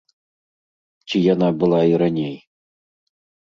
Ці яна была і раней?